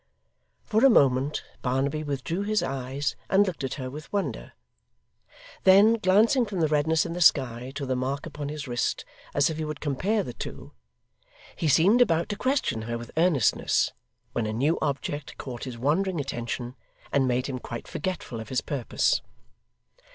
For a moment Barnaby withdrew his eyes and looked at her with wonder. Then, glancing from the redness in the sky to the mark upon his wrist as if he would compare the two, he seemed about to question her with earnestness, when a new object caught his wandering attention, and made him quite forgetful of his purpose.